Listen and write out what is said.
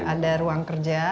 ada ruang kerja